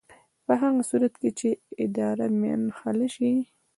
په هغه صورت کې چې اداره منحله شي.